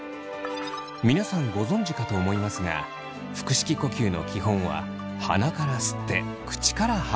皆さんご存じかと思いますが腹式呼吸の基本は鼻から吸って口から吐く。